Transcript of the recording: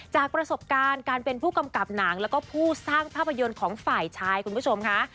จากประสบการณ์การเป็นผู้กำกับหนังแล้วก็ผู้สร้างภาพยนตร์ของฝ่ายชายคุณผู้ชมค่ะ